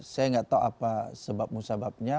saya nggak tahu apa sebab musababnya